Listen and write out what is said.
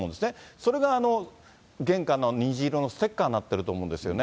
それが玄関の虹色のステッカーになってると思うんですよね。